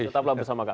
tetaplah bersama kami